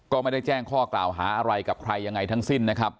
ก็ไม่ได้แจ้งข้อกล่าวหาอะไรกับใครยังไงทั้งสิ้นนะครับ